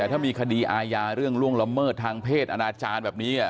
แต่ถ้ามีคดีอาญาเรื่องล่วงละเมิดทางเพศอนาจารย์แบบนี้